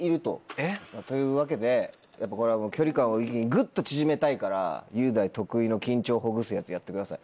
えっ。というわけでやっぱこれは距離感をグッと縮めたいから雄大得意の緊張をほぐすやつやってください。